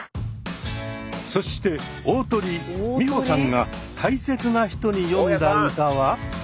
そして大トリ美穂さんが「大切な人」に詠んだ歌は。